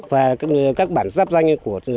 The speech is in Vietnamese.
và các bản giáp danh